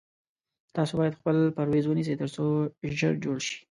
تاسو باید خپل پریز ونیسی تر څو ژر جوړ شی